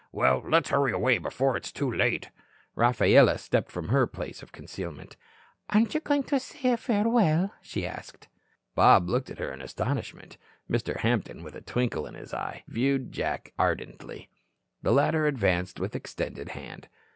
"Well, let's hurry away before it is too late." Rafaela stepped from her place of concealment. "Aren't you going to say farewell?" she asked. Bob looked at her in astonishment. Mr. Hampton, with a twinkle in his eye, viewed Jack ardently. The latter advanced with extended hand.